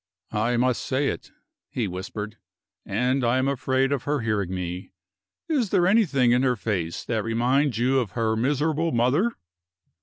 "I must say it," he whispered, "and I am afraid of her hearing me. Is there anything in her face that reminds you of her miserable mother?"